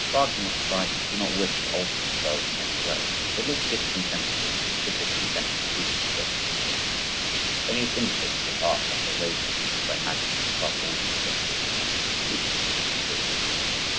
Wagnerites do not wish to alter themselves in any way, they live discontentedly in insipid, conventional and brutal circumstances—only at intervals does art have to raise them as by magic above these things. Weakness of will.